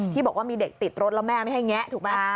ที่บอกว่ามีเด็กติดรถแล้วแม่ไม่ให้แงะถูกไหม